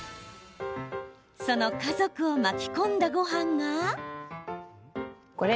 その家族を巻き込んだごはんが。